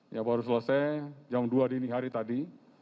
ya baru selesai jam dua dini hari tadi